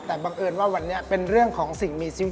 แต่บังเอิญว่าวันนี้เป็นเรื่องของสิ่งมีชีวิต